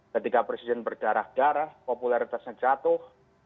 ketika presiden berdarah darah popularitasnya jatuh